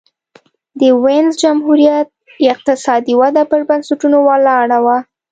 د وینز جمهوریت اقتصادي وده پر بنسټونو ولاړه وه.